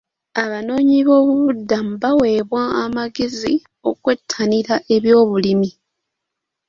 Abanoonyiboobubudmu baaweebwa amagezi okwettanira ebyobulimi.